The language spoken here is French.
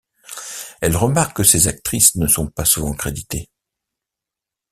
Elle remarque que ces actrices ne sont pas souvent créditées.